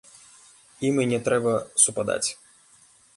Ім і не трэба супадаць.